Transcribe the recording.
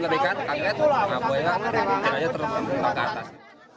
nah buaya jenazah terlalu melintahkan ke atas